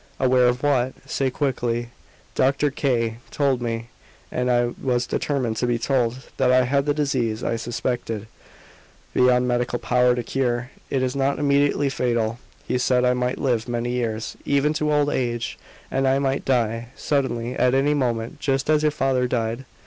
"Aware of what? Say quickly." "Dr. K told me I was determined to be told that I had the disease I suspected; beyond medical power to cure. It is not immediately fatal; he said I might live many years, even to old age; and I might die, suddenly, at any moment, just as your father died."